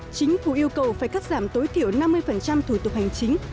chính phủ yêu cầu phải cắt giảm tối thiểu năm mươi thủ tục hành chính